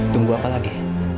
tunggu apa lagi